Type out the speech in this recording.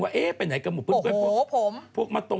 ใครเดินมาสู้ละเอ้ยรถเผยก็มีกรรม